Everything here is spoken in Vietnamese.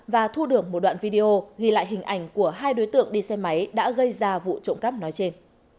và thu được một đoạn video ghi lại hình ảnh của hai đối tượng đi xe máy đã gây ra vụ trộm cắp nói trên